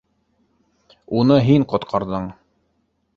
- Уны һин ҡотҡарҙың.